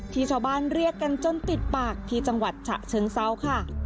ที่ชาวบ้านเรียกกันจนติดปากที่จังหวัดฉะเชิงเซาค่ะ